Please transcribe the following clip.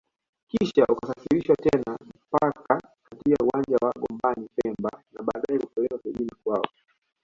kisha ukasafirishwa tena mpaka katika uwanja wa Gombani pemba na baadae kupelekwa kijijini kwaoa